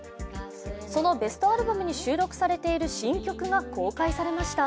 そのベストアルバムに収録されている新曲が公開されました。